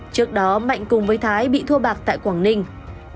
trước đó mạnh cùng với thái bị thua bạc tại quảng ninh